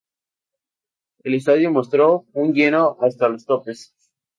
El estadio mostró un lleno hasta los topes.